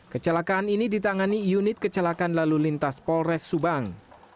kecelakaan ini ditangani unit kecelakaan lalu lintas polres subang